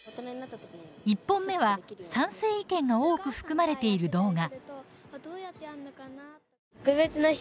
１本目は、賛成意見が多く含まれている動画。